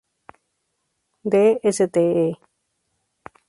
De Ste.